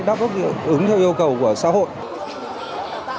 đáp ứng theo yêu cầu của xã hội